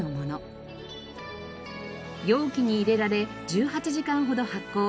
容器に入れられ１８時間ほど発酵。